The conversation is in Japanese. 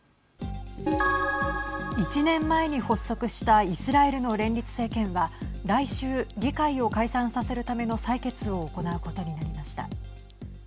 １年前に発足したイスラエルの連立政権は来週、議会を解散させるための採決を行うことになりました。